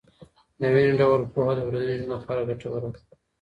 دویني ډول پوهه د ورځني ژوند لپاره ګټوره ده.